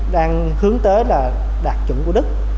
đang hướng tới là đạt chủng của đức